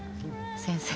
先生